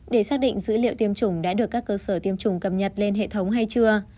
để xác định dữ liệu tiêm chủng đã được các cơ sở tiêm chủng cập nhật lên hệ thống hay chưa